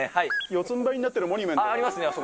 四つんばいになってるモニュありますね。